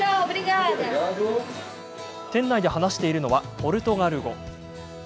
店内で話しているのはポルトガル語。